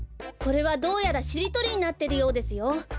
これはどうやらしりとりになってるようですよ。